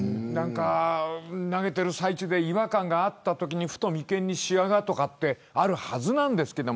投げてる最中で違和感があったときにふと眉間にしわが、というのがあるはずなんですけど。